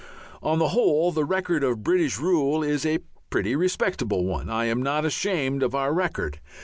On the whole the record of British rule is a pretty respectable one; I am not ashamed of our record.